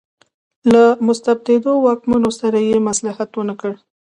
له مستبدو واکمنو سره یې مصلحت ونکړ.